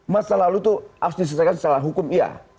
masa lalu itu harus diselesaikan secara hukum iya